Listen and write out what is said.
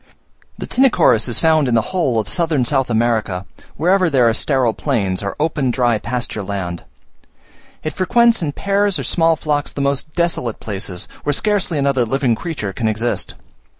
The Tinochorus is found in the whole of southern South America, wherever there are sterile plains, or open dry pasture land. It frequents in pairs or small flocks the most desolate places, where scarcely another living creature can exist.